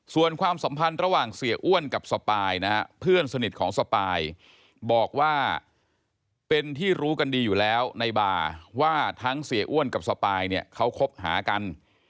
ส่วนความสัมพันธ์ระหว่างเสียอ้วนกับสปายนะฮะเพื่อนสนิทของสปายบอกว่าเป็นที่รู้กันดีอยู่แล้วในบาร์ว่าทั้งเสียอ้วนกับสปายเนี่ยเขาคบหากัน